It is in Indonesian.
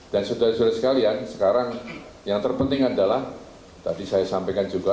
dan saudara sekalian sekarang yang terpenting adalah tadi saya sampaikan juga